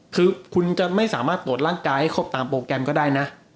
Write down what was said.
คือคุณจะไม่สามารถตรวจร่างกายให้ครบตามโปรแกรมก็ได้นะ